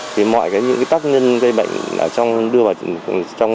thì mọi những tác nhân gây bệnh đưa vào